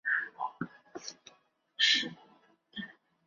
维勒纳夫迪拉图人口变化图示